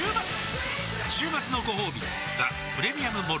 週末のごほうび「ザ・プレミアム・モルツ」